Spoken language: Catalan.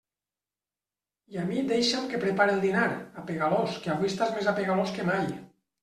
I a mi deixa'm que prepare el dinar, apegalós, que avui estàs més apegalós que mai.